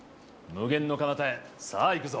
無限の彼方へさあ行くぞ！